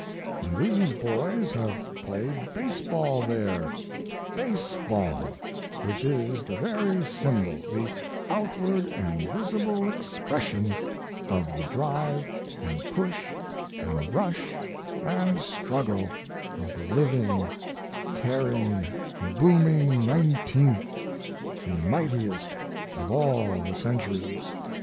And these boys have played baseball there! baseball, which is the very symbol, the outward and visible expression, of the drive and push and rush and struggle of the living, tearing, booming nineteenth, the mightiest of all the centuries!